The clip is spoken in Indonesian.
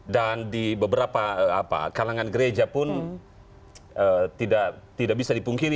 dan di beberapa kalangan gereja pun tidak bisa dipungkiri